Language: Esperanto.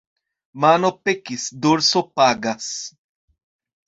Mano pekis, dorso pagas.